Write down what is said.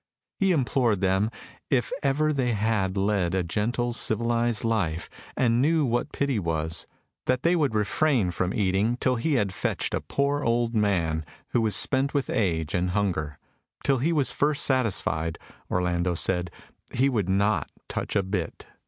He implored them, if ever they had led a gentle, civilised life, and knew what pity was, that they would refrain from eating till he had fetched a poor old man, who was spent with age and hunger. Till he was first satisfied, Orlando said, he would not touch a bit.